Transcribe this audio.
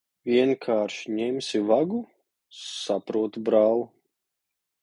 Vienkārši ņemsi vagu? Saprotu, brāl'.